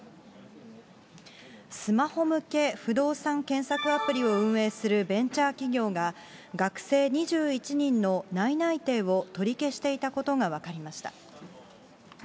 スマホ向け不動産検索アプリを運営するベンチャー企業が、学生２１人の内々定を取り消していたことが分かりました。